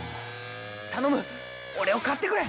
頼む俺を買ってくれ！